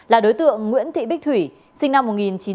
là đối tượng nguyễn thị bích thủy sinh năm một nghìn chín trăm năm mươi chín